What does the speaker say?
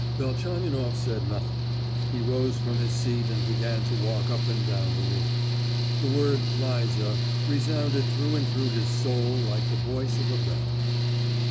Velchaninoff said nothing. He rose from his seat and began to walk up and down the room. The word "Liza" resounded through and through his soul like the voice of a bell.